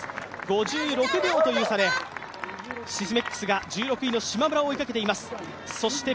５６秒という差でシスメックスがしまむらを追いかけています。